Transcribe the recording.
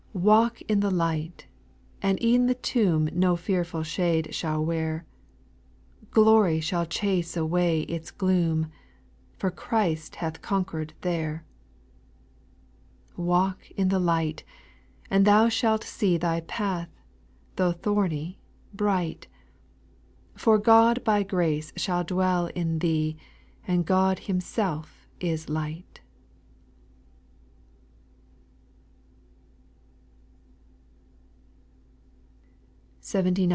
4. Walk in the light I 'and e'en the tomb No fearful shade shall wear ; Glory shall chase away its gloom, For Christ hath conquered there. 5. Walk in the light I and thou shalt see Thy path, tho' thorny, bright, For God by grace shall dwell in thee And God Himself is light.